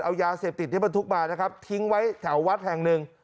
เอายาเสพติดที่บรรทุกมานะครับทิ้งไว้แถววัดแห่งหนึ่ง